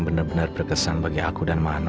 bener bener berkesan bagi aku dan mano